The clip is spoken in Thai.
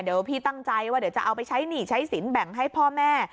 เดี๋ยวพี่ตั้งใจว่าเดี๋ยวจะเอาไปใช้หนี้ใช้สินแบ่งให้พ่อแม่